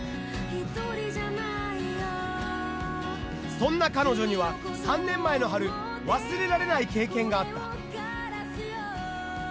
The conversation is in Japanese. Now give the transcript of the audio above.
そんな彼女には３年前の春忘れられない経験があった。